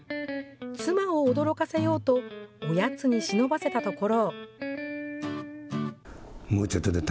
妻を驚かせようと、おやつに忍ばせたところ。